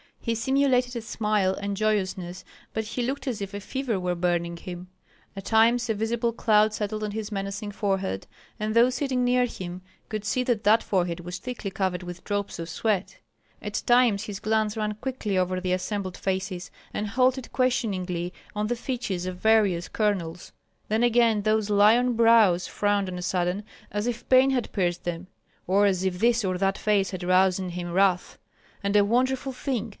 He simulated a smile and joyousness, but he looked as if a fever were burning him. At times a visible cloud settled on his menacing forehead, and those sitting near him could see that that forehead was thickly covered with drops of sweat; at times his glance ran quickly over the assembled faces, and halted questioningly on the features of various colonels; then again those lion brows frowned on a sudden, as if pain had pierced them, or as if this or that face had roused in him wrath. And, a wonderful thing!